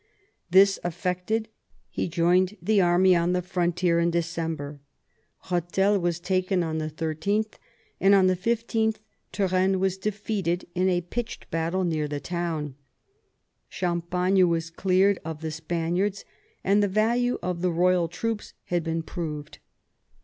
This effected, he joined the army on the frontier in December. Rethel was taken on the 13th, and on the 15th Turenne was defeated in a pitched battle near the town. Champagne was cleared of the Spaniards, and the value of the royal troops had been proved.